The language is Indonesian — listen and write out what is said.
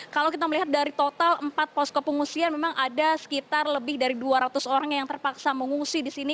kalau kita melihat dari total empat posko pengungsian memang ada sekitar lebih dari dua ratus orang yang terpaksa mengungsi di sini